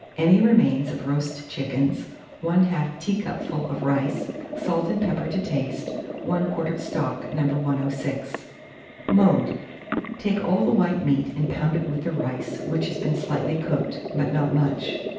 Any remains of roast chickens, 1/2 teacupful of rice, salt and pepper to taste, 1 quart of stock No. 106. Mode. Take all the white meat and pound it with the rice, which has been slightly cooked, but not much.